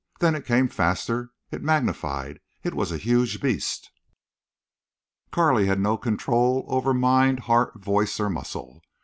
Then it came faster. It magnified. It was a huge beast. Carley had no control over mind, heart, voice, or muscle.